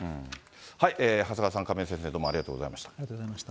長谷川さん、亀井先生、どうもありがとうございました。